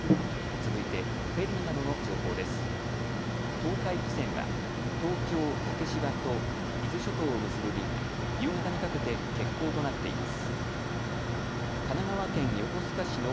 続いて、フェリーなどの情報です。